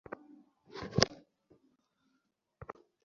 Houston, এখানকার বিল্ডিংগুলো কিন্তু বিশালাকৃতির!